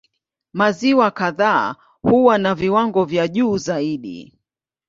Maziwa kadhaa huwa na viwango vya juu zaidi.